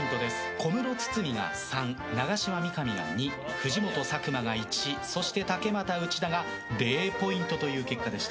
小室、堤が３永島、三上が２藤本、佐久間が１そして竹俣、内田が０ポイントという結果でした。